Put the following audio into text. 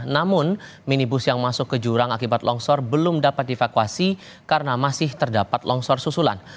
namun minibus yang masuk ke jurang akibat longsor belum dapat dievakuasi karena masih terdapat longsor susulan